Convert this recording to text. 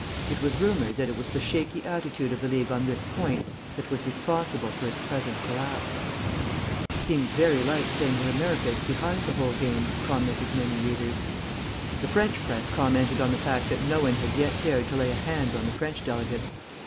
It was rumoured that it was the shaky attitude of the League on this point that was responsible for its present collapse.... ("Seems very like saying that America is behind the whole game," commented many readers.) The French press commented on the fact that no one had yet dared to lay a hand on the French delegates.